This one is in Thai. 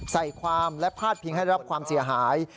ใส่ความและพาดพิงให้รับความเสียหาย